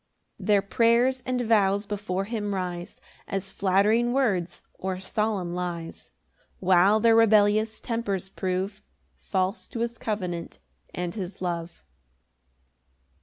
5 Their prayers and vows before him rise As flattering words or solemn lies, While their rebellious tempers prove False to his covenant and his love.